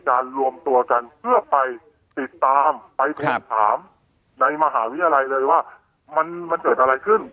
รวมตัวกันเพื่อไปติดตามไปทวงถามในมหาวิทยาลัยเลยว่ามันเกิดอะไรขึ้น